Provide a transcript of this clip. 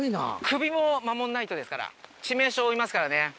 首も守んないとですから致命傷負いますからね。